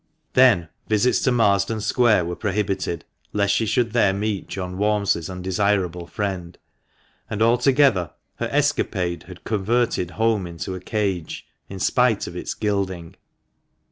Then, visits to Marsden Square were prohibited, lest she should there meet John Walmsley's undesirable friend ; and, altogether, her escapade had converted home into a cage, in spite of its gilding.